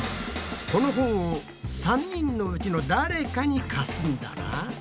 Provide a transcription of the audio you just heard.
この本を３人のうちの誰かに貸すんだな。